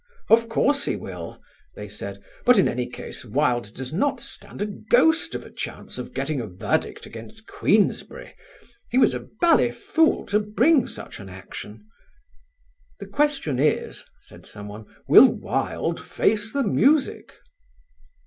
"Of course he will," they said, "but in any case Wilde does not stand a ghost of a chance of getting a verdict against Queensberry; he was a bally fool to bring such an action." "The question is," said someone, "will Wilde face the music?"